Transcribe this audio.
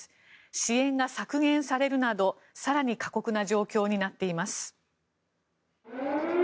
支援が削減されるなど更に過酷な状況になっています。